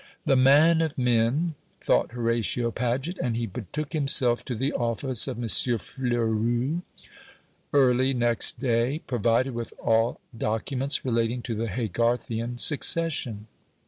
"The man of men," thought Horatio Paget; and he betook himself to the office of M. Fleurus early next day, provided with all documents relating to the Haygarthian succession.